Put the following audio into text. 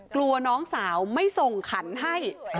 กลัวน้องสาวไม่ส่งขันให้